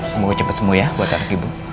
semoga cepat sembuh ya buat anak ibu